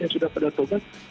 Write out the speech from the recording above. yang sudah pada tobat